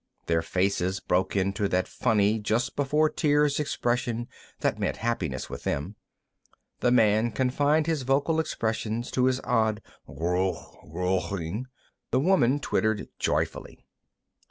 Their faces broke into that funny just before tears expression that meant happiness with them. The man confined his vocal expressions to his odd ghroogh ghroogh ing; the woman twittered joyfully.